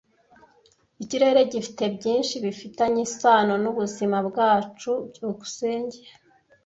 Ikirere gifite byinshi bifitanye isano nubuzima bwacu. byukusenge